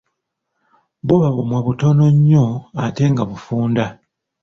Buba bumwa butono nnyo ate nga bufunda.